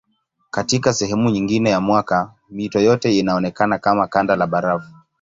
Katika sehemu nyingine ya mwaka mito yote inaonekana kama kanda la barafu.